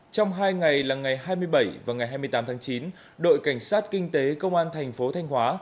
trong hai ngày là ngày hai mươi bảy và ngày hai mươi tám tháng chín đội cảnh sát kinh tế công an thành phố thanh hóa